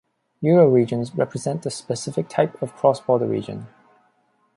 Euroregions represent a specific type of cross-border region.